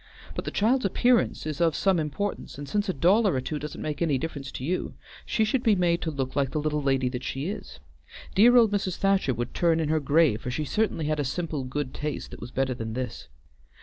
"But the child's appearance is of some importance, and since a dollar or two doesn't make any difference to you, she should be made to look like the little lady that she is. Dear old Mrs. Thacher would turn in her grave, for she certainly had a simple good taste that was better than this.